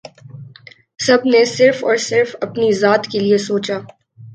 سب نے صرف اور صرف اپنی ذات کے لیئے سوچا